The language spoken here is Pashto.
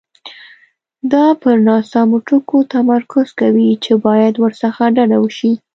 دا پر ناسمو ټکو تمرکز کوي چې باید ورڅخه ډډه وشي.